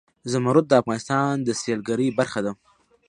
زمرد د افغانستان د سیلګرۍ برخه ده.